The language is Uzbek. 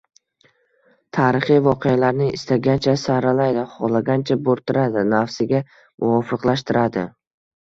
Tarixiy voqealarni istagancha saralaydi, xohlagancha bo‘rttiradi, nafsiga muvofiqlashtiradi.